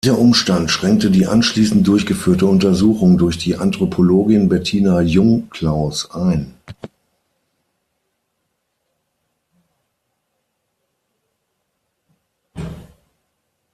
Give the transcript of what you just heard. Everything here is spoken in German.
Dieser Umstand schränkte die anschließend durchgeführte Untersuchung durch die Anthropologin Bettina Jungklaus ein.